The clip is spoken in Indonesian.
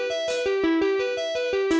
liat gue cabut ya